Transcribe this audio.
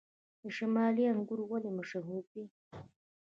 د شمالي انګور ولې مشهور دي؟